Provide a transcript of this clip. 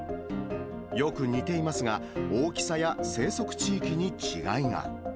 よく似ていますが、大きさや生息地域に違いが。